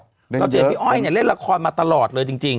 เรียนเยอะเลยเดี๋ยวเพิ่มจะเห็นพี่อ้อยเนี่ยเล่นละครมาตลอดเลยจริง